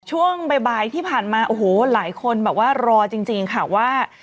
ช่วงบ่ายที่ผ่านมาโอ้โหหลายคนแบบว่ารอจริงค่ะว่า